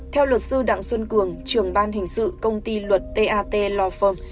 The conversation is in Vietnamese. theo luật sư đặng xuân cường trường ban hình sự công ty luật tat law firm